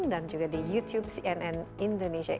dan juga di youtube cnn indonesia